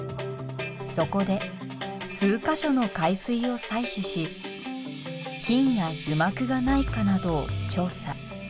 そこで数か所の海水を採取し菌や油膜がないかなどを調査。